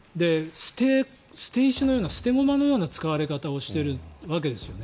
捨て石のような捨て駒のような使われ方をしているわけですね。